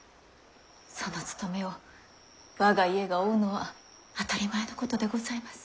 その務めを我が家が負うのは当たり前のことでございます。